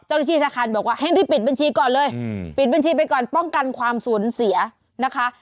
ธนาคารบอกว่าให้รีบปิดบัญชีก่อนเลยปิดบัญชีไปก่อนป้องกันความสูญเสียนะคะ